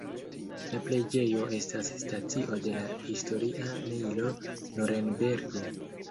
La preĝejo estas stacio de la Historia Mejlo Nurenbergo.